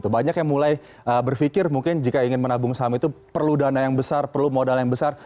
banyak yang mulai berpikir mungkin jika ingin menabung saham itu perlu dana yang besar perlu modal yang besar